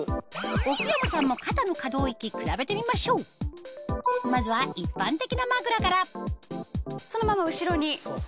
奥山さんも肩の可動域比べてみましょうまずはそのまま後ろに。